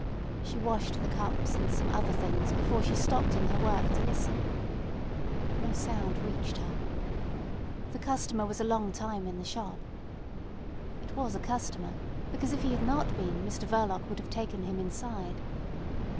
She washed the cups and some other things before she stopped in her work to listen. No sound reached her. The customer was a long time in the shop. It was a customer, because if he had not been Mr Verloc would have taken him inside.